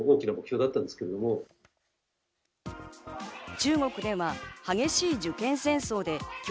中国では激しい受験戦争で教